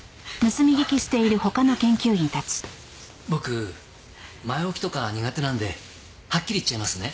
僕前置きとか苦手なんではっきり言っちゃいますね。